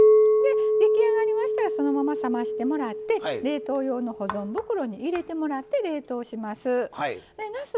出来上がりましたらそのまま冷ましてもらって冷凍用の保存袋に入れてもらって冷凍します。